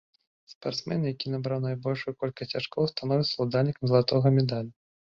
Спартсмен, які набраў найбольшую колькасць ачкоў, становіцца ўладальнікам залатога медалю.